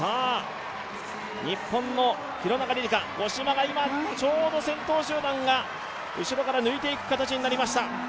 五島が今、ちょうど先頭集団が後ろから抜いていく形になりました。